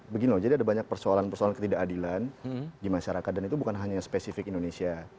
begini jadi ada banyak persoalan persoalan ketidakadilan di masyarakat dan itu bukan hanya spesifik indonesia